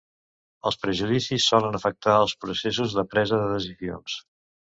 Els prejudicis solen afectar els processos de presa de decisions.